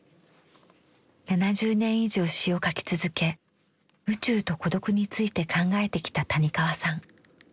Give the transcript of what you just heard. ７０年以上詩を書き続け宇宙と孤独について考えてきた谷川さん。